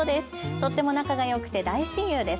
とっても仲がよくて大親友です。